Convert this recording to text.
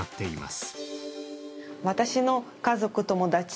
私の家族友達